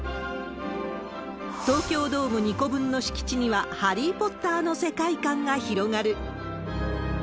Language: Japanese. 東京ドーム２個分の敷地には、ハリー・ポッターの世界観が広がる。